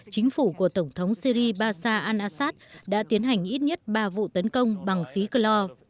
chính phủ của tổng thống syri basar al assad đã tiến hành ít nhất ba vụ tấn công bằng khí clor